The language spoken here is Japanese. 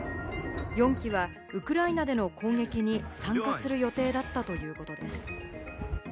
４機はウクライナでの攻撃に参加する予定だったということです。